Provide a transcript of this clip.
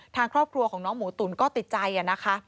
ทางครอบครัวของน้องหมูตุ๋นก็ติดใจนะคะ